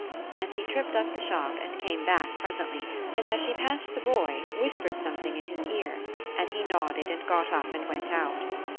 And she tripped up the shop and came back presently, and as she passed the boy whispered something in his ear, and he nodded and got up and went out.